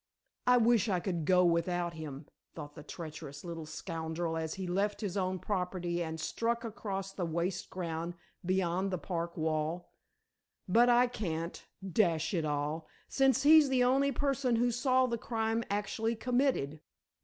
"I wish I could do without him," thought the treacherous little scoundrel as he left his own property and struck across the waste ground beyond the park wall. "But I can't, dash it all, since he's the only person who saw the crime actually committed.